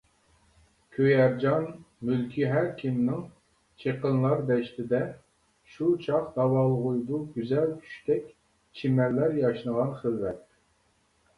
كۆيەر جان مۈلكى ھەركىمنىڭ چېقىنلار دەشتىدە شۇ چاغ داۋالغۇيدۇ گۈزەل چۈشتەك چىمەنلەر ياشنىغان خىلۋەت.